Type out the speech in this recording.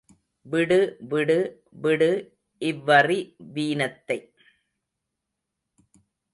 விடு, விடு, விடு இவ்வறி வீனத்தை.